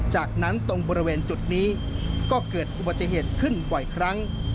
จากนั้นตรงบริเวณจุดนี้ก็เกิดอุบัติเหตุขึ้นบ่อยครั้ง